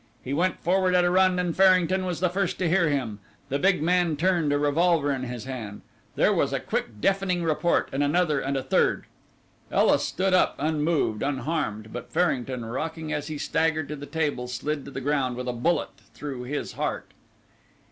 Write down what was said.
He went forward at a run and Farrington was the first to hear him. The big man turned, a revolver in his hand. There was a quick deafening report, and another, and a third. Ela stood up unmoved, unharmed, but Farrington, rocking as he staggered to the table, slid to the ground with a bullet through his heart.